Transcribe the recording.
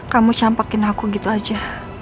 kamu campakin aku gitu aja